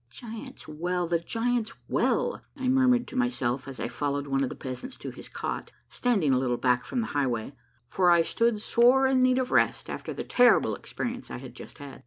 "The Giants' Well, the Giants' Well!" I murmured to my self as I followed one of the peasants to his cot, standing a little back from the highway, for I stood sore in need of rest after the terrible experience I had just had.